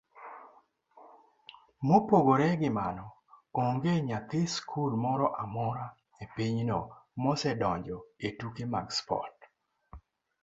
Mopogore gi mano, onge nyathi skul moro amora epinyno mosedonjo etuke mag spot,